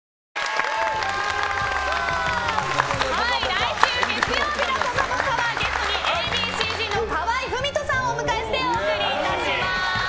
来週月曜日の「ぽかぽか」はゲストにＡ．Ｂ．Ｃ‐Ｚの河合郁人さんをお迎えしてお送りいたします。